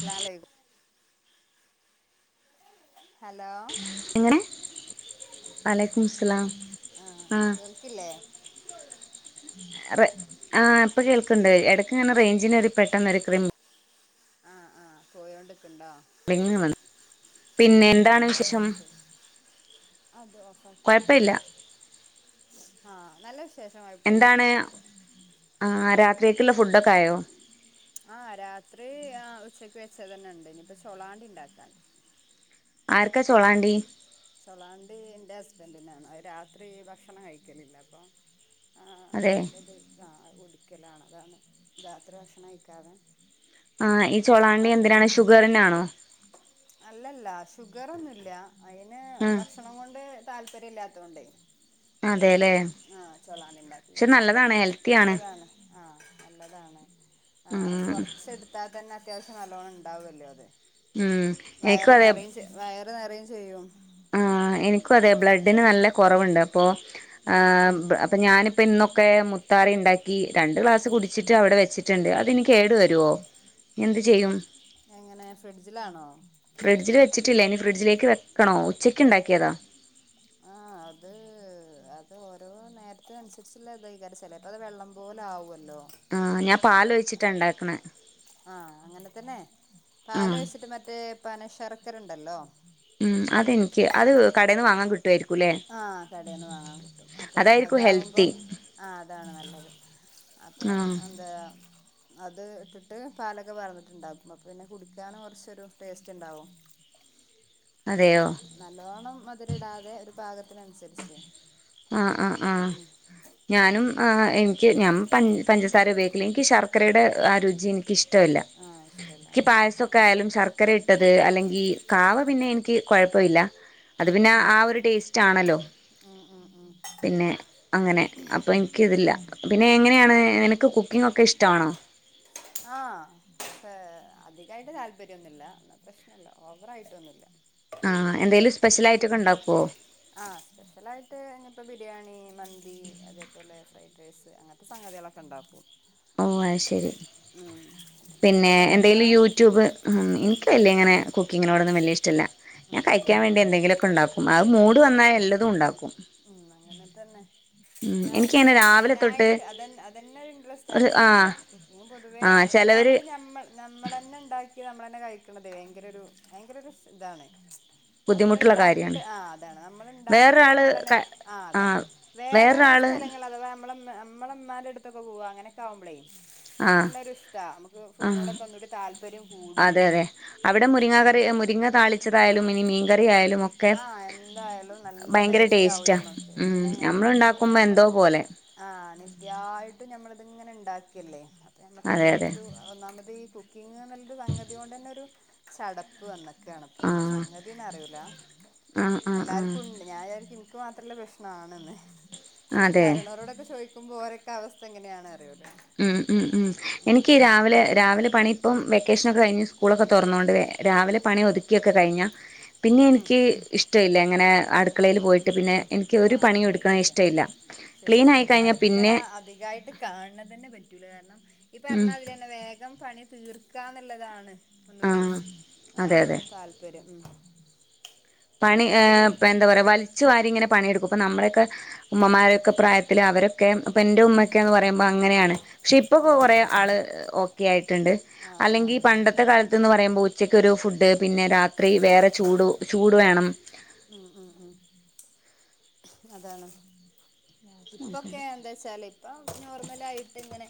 [unintelligible] Hello എങ്ങനെ വാലൈക്കും മുസ്സലാം ആഹ് കേൾക്ക്ല്ലേ? റെ ആഹ് ഇപ്പൊ കേൾക്ക്ണ്ട് എടയ്ക്ക് ഇങ്ങനെ റെയ്ഞ്ച്ന് ഒരു പെട്ടന്നൊര് ക്രി- ആഹ് ആഹ് പോയോണ്ട്ക്ക്ണ്ടോ? പിന്നെ [unintelligible] ആഹ് ഓക്കെ അതും ഓഫാക്ക് കൊഴപ്പല്ല ആഹ് നല്ല വിശേഷം കൊയപ്പൊന്നുല്ല എന്താണ് അങ്ങനെ പോണ്. ആഹ് രാത്രിക്കക്ക്ള്ള ഫുഡൊക്കെ ആയോ? ആഹ് രാത്രി ആ ഉച്ചക്ക് വെച്ചതന്നെ ഇണ്ട് ഇനിയിപ്പൊ ചൊളാണ്ടി ഇണ്ടാക്കാ ആർക്കാ ചൊളാണ്ടി? ചൊളാണ്ടി ഇന്റെ ഹസ്ബന്റ്നാണ്. അഹ് രാത്രി ഭക്ഷണം കഴിക്കലില്ല അപ്പൊ ആഹ് അതെ അയിൻ്റത് ആഹ് അഹ് കുടിക്കലാണ് അതാണ് രാത്രി ഭക്ഷണം കഴിക്കാതെ ആഹ് ഈ അത് ചൊളാണ്ടി മാത്രം എന്തിനാണ്? കഴിക്കും ഷുഗറിനാണോ? അല്ലല്ല ഷുഗറൊന്നുല്ല അയിന് ആഹ് ഭക്ഷണം കൊണ്ട് താല്പര്യം ഇല്ലാത്തോണ്ടേ. അതേലെ? ആഹ് ചൊളാണ്ടിണ്ടാക്കി കൊട്ക്കും ഹെൽത്തിയാണ് നല്ലതാണ്. ആഹ് നല്ലതാണ്. ആ ഉം കൊറച്ച് ഇട്ത്താതന്നെ അത്യാവശ്യം നല്ലോണം ഇണ്ടാവൊല്ലോ അത്. ഉം എനിക്കും വയറ് അതെ നറയും ചെ വയറ് നറയും ചെയ്യും. ആഹ് എനിക്കും അതെ ബ്ലഡിന് നല്ല കൊറവ്ണ്ട് അപ്പൊ ഉം ആഹ് അ അപ്പൊ ഞാനിപ്പോ ഇന്നൊക്കെ മുത്താറി ഇണ്ടാക്കി രണ്ട് ഗ്ലാസ് കുടിച്ചിട്ട് അവടെ വച്ചിട്ട്ണ്ട് അത് ഇനി കേട് വരോ? എന്ത് ചെയ്യും? എങ്ങനെ ഫ്രിഡ്ജ്ലാണോ? ഫ്രിഡ്ജ്ല് വെച്ചിട്ടില്ല ഇനി ഫ്രിഡ്ജിലേക്ക് വെക്കണോ? ഉച്ചക്ക് ഇണ്ടാക്ക്യേതാ. ആഹ് അത് അത് ഓരോ നേരത്തിനന്സരിച്ച്ള്ളെ ഇതെയ്ക്കാരം ചെലേപ്പത് വെള്ളം പോലാവൊല്ലോ. ആഹ് ഞാൻ പാലൊഴിച്ച്ട്ടാ ഇണ്ടാക്ക്ണെ. ആഹ് അങ്ങനെ തന്നെ ആഹ് പാലൊഴിച്ച്ട്ട് മറ്റേ പനശർക്കരണ്ടല്ലോ ഉം അതെൻക്ക് അത് കടേന്ന് വാങ്ങാം കിട്ടു വായിരിക്കുംലേ? ആഹ് കടേന്ന് വാങ്ങാം കിട്ടും. അപ്പം അതായിരിക്കും ഹെൽത്തി അതാവുമ്പം ആഹ് അതാണ് നല്ലത് അപ്പം ആഹ് എന്താ അത് ഇട്ട്ട്ട് പാലൊക്കെ പാർന്ന്ട്ട് ഇണ്ടാക്കും. അപ്പപിന്നെ കുടിക്കാനും കൊറച്ചൊര് ടേസ്റ്റ്ണ്ടാവും. തോ അതെയോ നല്ലോണം മധുരം ഇടാതെ ഒരു പാകത്തിനനുസരിച്ച് ആഹ് ആഹ് ആഹ് ഞാനും ആ എനിക്ക് ഞമ് പഞ്ചസാര ഉപയോഗിക്കല് എനിക്ക് ഈ ശർക്കരയുടെ ആ രുചി എനിക്ക് ഇഷ് ട്ടുല്ല ആഹ് ഇഷ്ടല്ല എനിക്ക് ആഹ് പായസ ശരി ഒക്കായാലും ശർക്കരയിട്ടത് അല്ലെങ്കി കാവ പിന്നെ എനിക്ക് കൊഴപ്പവില്ല അത് പിന്നെ ആ ഒരു ടേസ്റ്റാണല്ലോ? ഉം ഉം ഉം അങ്ങനെ അപ്പൊ എൻക്ക് ഉം ഇതില്ല പിന്നെ എങ്ങനെയാണ് നിനക്ക് കുക്കിംങ്ങൊക്കെ ഇഷ്ടാവാണോ? ആഹ് എപ്പ അധികായിട്ട് താല്പര്യൊന്നൂല്ല എന്ന പ്രശ്നല്ല ഓവറായിട്ടൊന്നുല്ല ആഹ് എന്തേലും സ്പെഷ്യലായിട്ടൊക്കെ ഉണ്ടാക്കുവോ? ആഹ് സ്പെഷ്യലായിട്ട് ഇങ്ങത്തെ ബിരിയാണി, മന്തി, അതേപോലെ ഫ്രൈഡ് റൈസ്, അങ്ങനത്തെ സംഗതികളൊക്കെ ഇണ്ടാക്കും ഓഹ അഹ് ശരി പിന്നെ അന്റെ പാടെന്താ എന്തെങ്കിലും യൂട്യൂബ് ഉം എൻക് വല്ല്യ ഇങ്ങനെ കുക്കിങ്ങിനോടൊന്നും വല്ല്യ ഇഷ്ടല്ല ഞാൻ ഉം കഴിക്കാൻ വേണ്ടി എന്തെങ്കിലൊക്കെ ഉണ്ടാക്കും അത് മൂഡ് വന്നാ എല്ലതുംണ്ടാക്കും അങ്ങനത്തന്നെ എനിക്കങ്ങനെ കാരണം രാവിലെ തൊട്ട് അയിനായിട്ട് അത അതന്നൊരു ഇൻട്രസ്റ്റ് ഒരു ആ അങ്ങനെല്ല ഞാൻ ആ പൊതുവേ ചിലവര് ഒന്നാമത് ഞമ്മള് നമ്മളന്നെ ഇണ്ടാക്കി നമ്മളന്നെ കഴിക്ക്ണതെ ഭയങ്കര ഒരു ഭയങ്കര ഒരു ഇതാണ് നമ്മള് ബുദ്ധിമുട്ടുള്ള ഇണ്ടാക്കിട്ട് കാര്യമാണ് ആഹ് അതാണ് നമ്മള് ഇണ്ടാക്കിയത് വേറൊരാള് ക നമ്മളന്നെ ആഹ് ആ അതാണ് വേറെ വേറൊരാള് സ്ഥലങ്ങള് അഥവാ നമ്മളെ നമ്മളെ ഇമ്മാന്റടുത്തക്കെ പോവാ അങ്ങനെ ക്കാവുമ്പളേ ആ നല്ലൊരു ഇഷ്ട നമുക്ക് ആ ഫുഡിനോടൊക്കെ ഒന്നുകൂടി താല്പര്യം കൂടും അതെ അതെ അവിടെ മുരിങ്ങ കറി മുരിങ്ങ താളിച്ചതായാലും ഇനി മീൻകറി ആയാലും ഒ ആഹ് എന്തായാലും നല്ല ടേസ്റ്റാകും ടേസ്റ്റാ ഞമ്മക്ക് ഉം പിന്നെ ഞമ്മളെ നമ്മൾ ഒന്നാമത് ഉണ്ടാക്കുമ്പോ എന്തോ ഞ്ഞമ്മളെ പോലെ ആഹ് നിത്യായിട്ടും ഞമ്മള് ഇത്ങ്ങനെ ഇണ്ടാക്കല്ലേ അപ്പ ഞ്ഞമ്മക്ക് അതെ അതെ അതോണ്ടൊരു ഒന്നാമത് ഈ കുക്കിങ്ന്ന്‌ ഇല്ലൊരു സംഗതിയോണ്ടന്നെ ഒരു ചടപ്പ് വന്നക്കാണ്പ്പോ ആ എന്ത സംഗതീന്ന് അറിയൂല ആ ആ ആ എല്ലാർക്കും ഉണ്ട് ഞാൻ വിചാരിക്കും എനിക്ക് മാത്രള്ള പ്രശ്നാണ് ന്ന് പക്ഷെ ഇനിക്ക് അതെ അറിയിണോലോടൊക്കെ ചോയ്ക്കുമ്പോ ഓരെക്കെ അവസ്ഥ ഇങ്ങനെയാണ് പറിയും ഓല് ഉം ഉം ഉം എനിക്ക് ഈ രാവിലെ രാവിലെ പണി ഇപ്പം വെക്കേഷനൊക്കെ കഴിഞ്ഞ് സ്കൂളൊക്കെ തൊറന്നോണ്ട് രാവിലെ പണി ഒതുക്കിയൊക്കെ കഴിഞ്ഞാ പിന്നെ ഉം എനിക്ക് ഇഷ്ട്ടയില്ല ഇങ്ങനെ അടു ക്കളേല് പോയിട്ട് പിന്നെ എനിക്ക് ഒരു ആഹ് പണിയും ശരി എടുക്ക്ണെ ശരി ഇഷ്ട്ടയില്ല ശരി ക്ലീനായി ശരി കഴിഞ്ഞാ അടുക്കള പിന്നെ അധികായിട്ട് കാണ് ണ തന്നെ പറ്റൂല കാരണം ഈ ഉം പറഞ്ഞാ മാതിരന്നെ വേഗം പണി തീർക്കാന്നുള്ളതാണ് ഒന്നൂടിം ആഹ് അതെ ആഹ് അതെ താൽപര്യം ഉം പണി മറ്റത് എഹേ എന്താ പറയാ വലിച്ചു വാരി ഇങ്ങനെ പണിയെടുക്കും ഇപ്പൊ നമ്മുടെയൊക്കെ ഉമ്മമാരൊക്കെ പ്രായത്തില് അവരൊക്കെ ഇപ്പം എൻ്റെ ഉമ്മക്കെന്ന് പറയുമ്പോ അങ്ങനെയാണ് പക്ഷെ ഇപ്പൊക്കെ അതാണ് കൊറേ ആള് ഓക്കെ ആയിട്ട്ണ്ട് ആഹ് അല്ലെങ്കി അതാണ് ഈ അതാണ് പണ്ടത്തെ കാലത്ത് ത്ത്ന്ന് പറയുമ്പോ ഉച്ചക്ക് ഒരു ഫുഡ് പിന്നെ രാത്രി വേറെ ചൂട് ചൂട് വേണം ആഹ് ആഹ് ആഹ് അതാണ് ഇപ്പൊക്കെ എന്താച്ചാല് ഇപ്പം നോർമലായിട്ട്ങ്ങനെ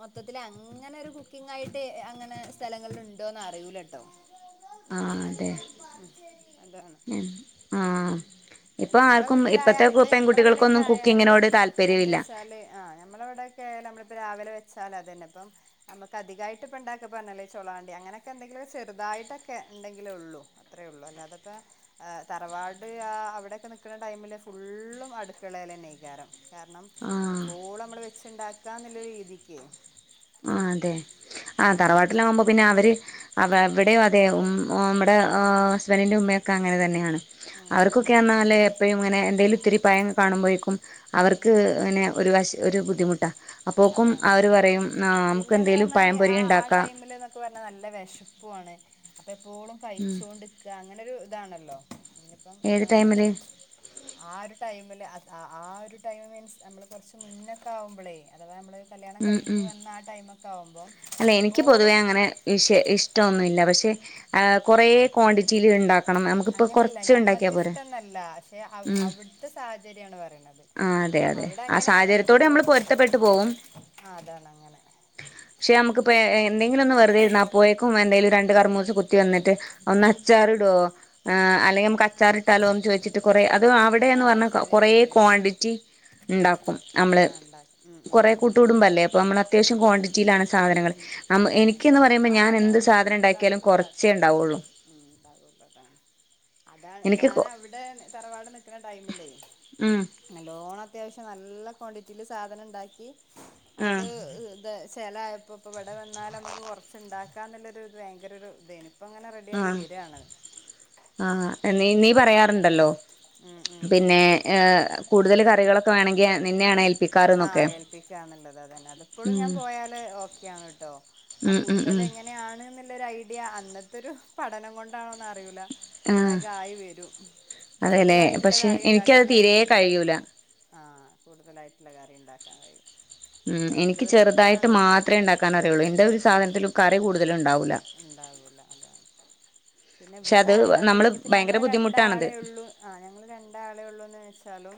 മൊത്തത്തില് അങ്ങനൊരു കുക്കിംങ്ങായിട്ട് അങ്ങനെ സ്ഥലങ്ങളില്ണ്ടോന്ന് അറിയൂലട്ടോ ആഹ് അതെ ഉം അതാണ് ആഹ് അഹ് ഇപ്പൊ ഞമ്മളെ ആർക്കും ഇപ്പത്തെ വീട്ടിലായാല് ഇപ്പ ഞമ്മളെവിടെക്കെ പെൺകുട്ടികൾക്കൊന്നും ആയാല് കുക്കിങ്ങിനോട് താല്പര്യമില്ല എന്താച്ചാല് ആഹ് ഞമ്മളെവ്ടെക്കെ നമ്മളിപ്പ രാവിലെ വെച്ചാലതന്നെ ഇപ്പം നമ്മക്കധികായിട്ട്പ്പ ഇണ്ടാക്കാൻ പറഞ്ഞാലെ ചൊള വേണ്ടി അങ്ങനൊക്കെ എന്തെങ്കിലും ചെറുതായിട്ടൊക്കെ ഇണ്ടെങ്കിലേ ഒള്ളു അത്രേ ഒള്ളൂ അല്ലാത്പ്പ ഏഹ് തറവാട് ആഹ് അവി ടെ നിക്കണ ടൈമില് ഫുള്ളും അടുക്കളേലെനെയാകാരം കാരണം ആഹ് എപ്പോളും നമ്മള് വെച്ചുണ്ടാക്കാന്ന്ള്ള രീതിക്ക് ആഹ് അതെ ആഹ് തറവാട്ടിലാവുമ്പോ പിന്നെ അവര് അവ് അവി ടേം ഉം ഓഹ് നമ്മുടെ ഏഹ് ഹസ്ബന്റിൻ്റെ ഉമ്മയൊക്കെ അങ്ങനെന്നെയാണ് ഉം ഉം ഉം ഉം അവർക്കൊക്കെന്നാല് എപ്പഴും ഇങ്ങനെ എന്തേലും ഇത്തിരി പയം കാണുമ്പോഴേക്കും അവർക്ക് ഇങ്ങനെ ഒരു വശ ഒരു ബുദ്ധിമുട്ടാ അപ്പോക്കും അതാണ് അവര് അതാണ് പറയും ആഹ് നമുക്കെന്തേലും പയം പൊരിണ്ടാക്കാം മില്ന്നൊക്കെ പറഞ്ഞാ നല്ല വെശപ്പുവാണ് അപ്പ എപ്പോഴും ഉം കഴിച്ചൊണ്ട് ക്കാ അങ്ങനൊരു ഇതാണല്ലോ ഇനിപ്പം ഏത് ടൈമില് ആഹ് ആ ഒരു ടൈമില് അത്‌ ആഹ് ആ ഒരു ടൈമ് മീൻസ് നമ്മള് കൊറച്ച് മുന്നൊക്കാവുമ്പളേ അഥവാ നമ്മള് കല്യാണം ഉം കഴിഞ്ഞ് ഉം വന്ന ആ ടൈമൊക്കെ ആകുമ്പം അല്ല എനിക്ക് എപ്പോളും പൊതുവേ അങ്ങനെ ഇഷ് ഇഷ്ടൊന്നുല്ല പക്ഷെ ഏഹ് കൊറേ ക്വാണ്ടിറ്റിയില് ഇണ്ടാക്കും അങ്ങനെയല്ല ഞമ്മക്ക് ഇഷ്ടംന്നല്ല പക്ഷെ അവ് അവിടുത്തെ സാഹചര്യാണ് പറയ്ണത് ആഹ് അതെ അതെ ആ സാഹചര്യത്തോട് ഞമ്മള് പൊരുത്തപ്പെട്ട് പോവും ആഹ് അതാണ് അങ്ങനെ പക്ഷെ നമുക്ക്പ്പോ എഹ് എന്തെങ്കിലും ഒന്ന് വെറുതെരുന്നാപ്പോയേക്കും എന്തെങ്കിലും രണ്ട് കറ്മൂസ് കുത്തി വന്നിട്ട് ഒന്ന് ച്ചാറിടുവൊ ആഹ് അല്ലെങ്കി നമക്ക അച്ചാറിട്ടാലോന്ന് ചോയ്ച്ചിട്ട് കൊറേ അതോ അവിടേന്ന് ആഹ് പറഞ്ഞാ ശരിയാ കൊറേ ശരിയാ ശരിയാ ക്വാണ്ടിറ്റി ആഹ് ഇണ്ടാക്കും നമ്മള് ആഹ് ഉണ്ടാക്കും ഉം ഉം കൊറേ ഉം കൂട്ട് ഉം കൂടുമ്പല്ലേ അപ്പോ നമ്മള് ഉം അത്യാവശ്യം ഉം ക്വാണ്ടിറ്റിയിലാണ് സാധനങ്ങൾ ഉണ്ട് അം ആഹ് ഉണ്ടാക്കും എനിക്ക്ന്ന് പറയുമ്പോ ആഹ് ഞാൻ എന്ത് അതാണ് സാധനം ഇണ്ടാക്കിയാലും കൂടുതലായിട്ട് കൊറച്ചേ ഉണ്ടാക്കും ഉം ഇണ്ടാവ്വൊള്ളൂ ഉം കറുവപട്ട അതാണ് എനിക്ക് ഞാനവിടെ തറവാട് നിക്കണ ടൈമിലെ ഉം നല്ലോണം അത്യാവശ്യം നല്ല ക്വാണ്ടിറ്റിയില് സാധനം ഇണ്ടാക്കി ആ അത് ഏഹ് ഇത് ശെലായപ്പോ ഇപ്പൊ ഇവിടെ വന്നാല് നമുക്ക് കൊറച്ച്ണ്ടാക്ക ക്കാന്നുള്ളൊര് ഇത് ഭയങ്കരൊരു ഇതേന് ഇപ്പങ്ങനെ റെഡി ആയി ആ വെര്വാണ് ആഹ് എഹ് നി നീ പറയാറുണ്ടല്ലോ ഉം ഉം ഉം പിന്നേ ഏഹ് കൂടുതല് കറികളൊക്കെ വേണെങ്കി ഞാൻ നിന്നെയാണേൽ ആഹ് ഏൽപ്പിക്കാന്നുള്ളത് അതന്നെ അത് ഇപ്പോഴും ഞാൻ ഉം പോയാല് ഓക്കെയാണുട്ടോ ഉം ഉം ഉം കൂടുതലെങ്ങനെയാണ്ന്നുള്ളൊരു ഐഡിയ അന്നത്തൊരു പഠനം കൊണ്ടാണോന്നറി അറിയൂല ആഹ് വേഗായി വെരും അതെല്ലേ ചെറുതായിട്ട്ള്ള പക്ഷെ കറി ഇണ്ടാക്കാൻ എനിക്കത് കയ്യും തീരെ കൂടുതലായിട്ട് കഴിയൂല ആഹ് കൂടുതലായിട്ടുള്ള കറി ഇണ്ടാക്കാൻ കയ്യും ഉം എനിക്ക് ചെറുതായിട്ട് മാത്രേ ഉണ്ടാക്കാൻ അറിയുള്ളൂ എന്റെ ഒരു കഴിയുള്ളൂ സാധനത്തിലും കറി കൂടുതൽ ഉണ്ടാവൂല ഉണ്ടാവൂല അതാണ് പിന്നെ പക്ഷെ ഇവ്ടെ അത് ആയാലും നമ്മള് ഇനിയിപ്പോം ഭയങ്കര ഞങ്ങള് ബുദ്ധിമുട്ടാണത് രണ്ടാളെ ഉള്ളൂ ആഹ് ഞങ്ങള് രണ്ട് ആളെ ഉള്ളൂന്ന് വെച്ച വച്ചാലും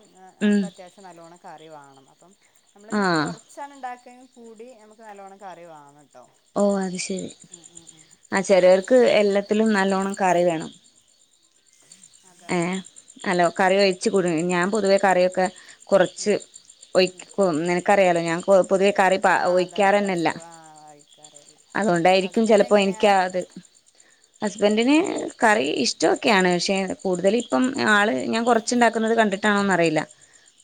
ഉം [unintelligible] അത്യാവശ്യം നല്ലോണം കറി വേണം അപ്പം നമ്മൾ ഇനി ആഹ് കുറ ചാണ് ഉണ്ടാക്കെങ്കിൽ കൂടി നമ്മുക്ക് നല്ലോണം കറി വേണം ട്ടോ ഓ അത് ശരി ആഹ് ആഹ് ആഹ് ചിലോർക്ക് എല്ലാത്തിലും നല്ലോണം കറി വേണം അതാണ് ഏഹ് ഹലോ കറി ഒഴിച്ച് കുടു ഞാൻ പൊതുവെ കറിയൊക്കെ കുറച്ച് ഒഴിന [unintelligible] ഞാൻ പൊതുവെ കറി ആ അതാണ് ഒഴിക്കാറന്നെ ഇല്ല കുറച്ച് ആ കഴിക്കാറില്ല അതുകൊണ്ടായിരിക്കും ഹസ്ബൻഡ് ചിലപ്പോ എങ്ങനെയാ എനിക്ക് ഹസ്ബന്റിന് കറി ഇഷ്ടമൊക്കെയാണ് പക്ഷെ കൂടുതല് ഇപ്പം ആള് ഞാൻ കുറച്ചുണ്ടാക്കുന്നത് കണ്ടിട്ടാണോന്നറിയില്ല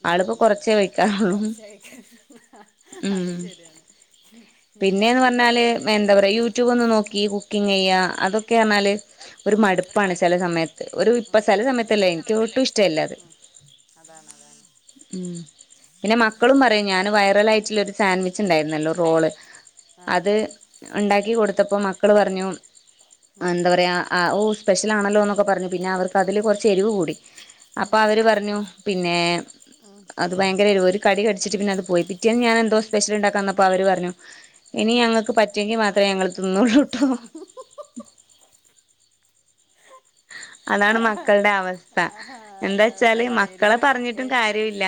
ഉം ആളിപ്പോ ഉം ഉം കുറച്ചേ വെക്കാറുള്ളൂ [unintelligible] അത് ശരിയാണ് ഇനി പിന്നേന്ന് ഉണ്ടാക്കൂലേന്ന് പറഞ്ഞാൽ കരുതിയിട്ട് എന്താ പറയുക യൂട്യൂബ് ഒന്ന് നോക്കി കുക്കിങ്ങ് ചെയ്യാ അതൊക്കെന്ന് പറഞ്ഞാല് ഒരു ഉം മടുപ്പാണ് ചില സമയത്ത് ഒരു ഇപ്പ ഉം ചില ഉം സമയത്തല്ല എനിക്ക് ഒട്ടും ഇഷ്ടല്ല അത് അതാണതാണ് ഉം പിന്നെ മക്കളും പറയും ഞാന് വൈറലായിറ്റുള്ള ഒരു സാൻവിച്ച് ണ്ടായിരുന്നല്ലോ റോള് ആ അത് ഓക്കെ ഉണ്ടാക്കി കൊടുത്തപ്പൊ മക്കള് പറഞ്ഞു ഉം എന്താ പറയാ ആഹ് ഓ സ്പെഷ്യൽ ആണല്ലോന്നൊക്കെ പറഞ്ഞു പിന്നെ അവർക്കതില് കുറച്ചെരിവ് കൂടി അപ്പ അവര് പറഞ്ഞു പിന്നെ അത് ഭയങ്കര എരുവ് ഒരു കടി കടിച്ചിട്ട് പിന്നെത് പോയി. പിറ്റേന്ന് ഞാനെന്തോ സ്പെഷ്യൽ ഉണ്ടാക്കാന്നപ്പോ അവര് പറഞ്ഞു ഇനി ഞങ്ങക്ക് പറ്റുയെങ്കി മാത്രേ ഞങ്ങള് തിന്നോള്ളൂട്ടോ അതാണ് മക്കളുടെ അവസ്ഥ എന്താ അതാണ് വച്ചാല് അല്ല മക്കളെ എരിവ് പറഞ്ഞിട്ടും ഏഹ് [inaudible] കാര്യമില്ല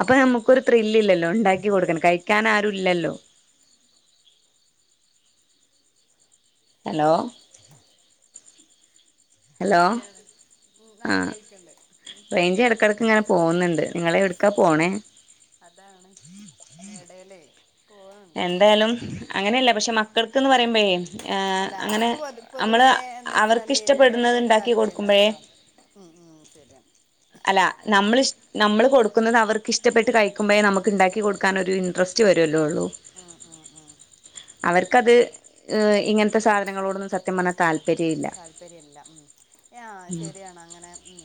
അപ്പൊ നമ്മക്കൊരു ത്രില്ലില്ലോ ഉണ്ടാക്കി കൊടുക്കാൻ കഴിക്കാൻ ആരും ഇല്ലല്ലോ ഹലോ ഹലോ ശരിയാണ് ഉം ആഹ് കേൾക്ണ്ട് ഉം റേഞ്ചെടക്കെടക്ക് ഇങ്ങനെ പോകുന്ന്ണ്ട് നിങ്ങളെവിടുക്കാ ആ പോണേ അതാണ് എടയ്ലേ എന്തായാലും അങ്ങനെയല്ല പക്ഷെ മക്കൾക്ക്ന്ന് പറയുമ്പഴേ അല്ല അവർക്ക് പൊതു പൊതുവേ അവർക്ക് എന്താച്ചാല് ഇഷ്ടപ്പെടുന്നത് എരിവിനോടൊന്നും വല്യ ഉണ്ടാക്കി താല്പര്യംണ്ടാ കൊടുക്കുമ്പോഴേ ആഹ് ഉം ഉം ശരിയാ അല്ല നമ്മളിഷ് നമ്മള് കൊടുക്കുന്നത് അവർക്ക് ഇഷ്ടപ്പെട്ട് കഴിക്കുമ്പഴേ നമ്മക്ക് ഇണ്ടാക്കി കൊടുക്കാൻ ഒരു ഇൻട്രസ്റ്റ് [unintelligible] അല്ലേ ഒള്ളൂ ആഹ് ആഹ് ആഹ് അവർക്കത് ഏഹ് ഇങ്ങനത്തെ സാധനങ്ങളോടൊന്നും സത്യം പറഞ്ഞാ താല്പര്യ ഇല്ല താല്പര്യം ഇല്ല ഉം ആഹ് ശരിയാണ് അങ്ങനെ ഉം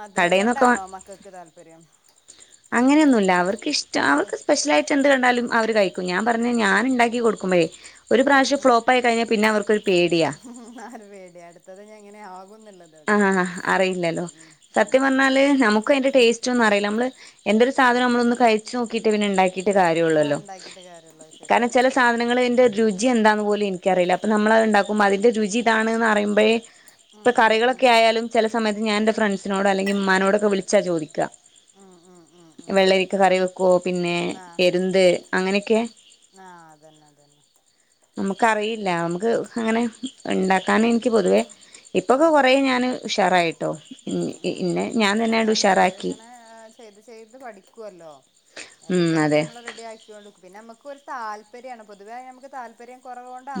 മധുരം കടയിൽന്നൊക്കെ കൊണ്ടാണോ മക്കൾക്ക് താല്പര്യം അങ്ങനെയൊന്നുല്ല അവർക്ക്ഷ്ട ഉം അവർക്ക് സ്പെഷ്യലായിട്ട് എന്ത് കണ്ടാലും അവര് കഴിക്കും. ഞാൻ പറഞ്ഞ് ഞാനുണ്ടാക്കി കൊടുക്കുമ്പഴേ ഒരു പ്രാവശ്യം ഫ്ലോപ്പായിക്കഴിഞ്ഞ പിന്നെ അവർക്കൊരു പേടിയാ ആഹ് ഒരു പേടിയ അടുത്തത് ഇനി എങ്ങനെ ആകും ഹ ഹ ആഹ് അറിയില്ലല്ലോ ഉം സത്യം ഉം പറഞ്ഞാല് നമുക്ക് അയിന്റെ ടേസ്‌റ്റോന്നു അറീല്ല നമ്മള് എന്തൊരു സാധനം നമ്മളൊന്ന് കഴി ചൊക്കീറ്റേ പിന്നെ ണ്ടാക്കിട്ട് ആ കാര്യോള്ളല്ലോ ഉണ്ടാക്കിട്ട് കാര്യമുള്ളൂ ശരിയാ കാരണം ചെല സാധനങ്ങള് അയിന്റെ രുചി എന്താന്ന് പോലും ഇന്യ്ക്കറീല്ല അപ്പ നമ്മളത് ണ്ടാക്കുമ്പോ അതിന്റെ രുചി ഇതാണ്ന്ന് അറിയുമ്പഴേ ഇപ്പ ഉം ഉം ഉം ഉം കറികളൊക്യായാലും ചെല സമയത്ത് ഞാൻ ന്റെ ഫ്രണ്ട്സിനോട് അല്ലെങ്കി മ്മാനോടൊക്കെ വിളിച്ചാ ചോയിക്കാ ഉം ഉം ഉം ഉം വെള്ളരിക്കെ കറി വെക്കുവോ പിന്നെ എരുന്ത് അങ്ങനെക്കെ ആഹ് അതന്നതന്നെ നമ്മക്കറിയില്ല നമുക്ക് അങ്ങനെ ണ്ടാക്കാനിനിക്ക് പൊതുവേ ഇപ്പൊക്കെ ഉം കൊ ഏ ഞാന് ഉഷാറായിട്ടോ മ് ഉം ഉം ഇന്ന ഉം അതാണ് ഞമ്മള് ങ്ങനെ ചെയ്ത് ചെയ്ത് പഠിക്കുവല്ലോ ഉം എല്ലോം അതെ ഞമ്മള് റെഡിയായ് പിന്നെ ഞമ്മക്കു ഒരു താല്പര്യണ് പൊതുവെ ഞമ്മക്ക്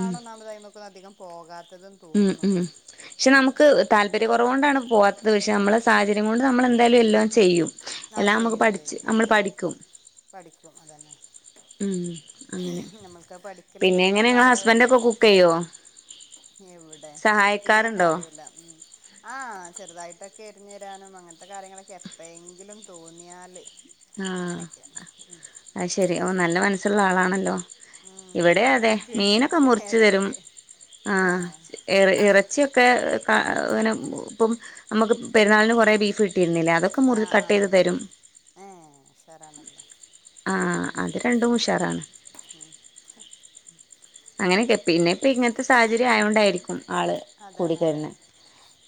ഉം ഒന്നാമതയി മ്മക്കൊന്നധികം പോകാ ഉം ഉം ക്ഷെ നമ്മക്ക് താല്പ ര്യകൊറവോണ്ടാണ് പോവാത്തത് പക്ഷെ നമ്മള സാഹചര്യം കൊണ്ട് നമ്മളെന്തായാലും എല്ലോം ചെയ്യും ആ എല്ലാം മക്ക് ചെയ്യും പഠിച്ച് ചെയ്യും അത് നമ്മള് ശരി പഠിക്കും പഠിക്കും അതന്നെ ഉം അങ്ങനെ ഞമ്മൾക്കത് പഠിക്കല് പിന്നെ എങ്ങനെ നിർബന്ധ നിങ്ങളെ ഹസ്ബൻഡ് ആയോണ്ട് ഒക്കെ കുക്ക് ചെയ്യോ എവ്ടെ കുക്കിങ്ന്നെ സഹായിക്കാറുണ്ടോ അറിയൂല ഉം ആഹ് ചെറുതായിട്ടൊക്കെ എരിഞ് തരാനും അങ്ങനത്തെ കാര്യങ്ങളൊക്കെ എപ്പോയെങ്കിലും തോന്നിയാല് ആഹ് അങ്ങനെയൊക്കെ ഉം അത് ശെരി ഓ നല്ല മനസ്സുള്ള ആളാണല്ലോ ഉം ഇവിടെ അതെ എടക്ക് മീനൊക്കെ മുറിച്ചു തരും എടക്ക് ആ ആഹാ ഉം ഇറച്ചിയൊക്കെ [unintelligible] മ്മക്ക് പെരുന്നാളിന് കുറെേ ബീഫ് ഇട്ടിരുന്നില്ലേ അതൊക്കെ മുറി ആഹ് കട്ട് ചെയ്ത് ആഹ് തരും ഏഹ് ഉഷാറാണല്ലോ ആഹ് ഉം അത് രണ്ടും ഉം ഉഷാറാണ് ഉം അങ്ങനെയൊക്കെ പിന്നെ ഇപ്പോൾ ഇങ്ങനത്തെ സാഹചര്യം ആയതുകൊണ്ടായിരിക്കും ആൾ കൂടി അതാണ് തരുണ് അതാണ്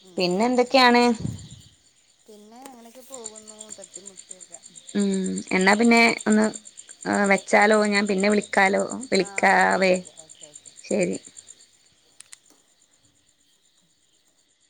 ഉം പിന്നെ അതാണ് എന്തൊക്കെയാണ് പിന്നെ അങ്ങനെയൊക്കെ പോകുന്നു തട്ടിമുട്ടിയൊക്കെ എന്നാൽ പിന്നെ ഒന്ന് വെ വച്ചാലോ ഞാൻ പിന്നെ വിളിക്കാലോ ആഹ് ഓക്കെ വിളിക്കാവേ ഓക്കെ ഓക്കെ ഓക്കെ ശരി